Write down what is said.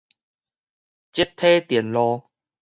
積體電路